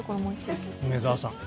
梅澤さん